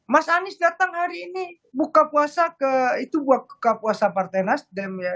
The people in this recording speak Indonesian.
mas anies datang hari ini buka puasa ke itu buka puasa partai nasdem ya